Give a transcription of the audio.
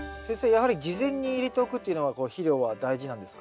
やはり事前に入れておくっていうのは肥料は大事なんですか？